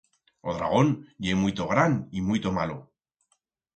O dragón ye muito gran y muito malo.